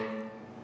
ya apa kabar